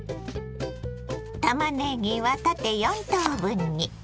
たまねぎは縦４等分に。